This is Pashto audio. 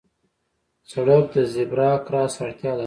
سړک د زېبرا کراس اړتیا لري.